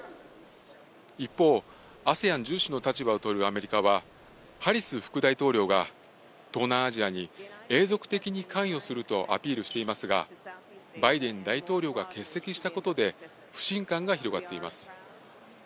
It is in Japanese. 一方、ＡＳＥＡＮ重視の立場をとるアメリカは、ハリス副大統領が東南アジアに永続的に関与するとアピールしていますが、バイデン大統領が欠席したことで不信感が広がっています。